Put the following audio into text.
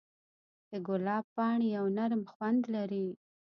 د ګلاب پاڼې یو نرم خوند لري.